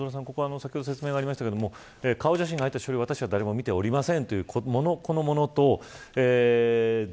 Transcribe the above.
先ほど説明がありましたが顔写真が入ったリストは誰も見ていない。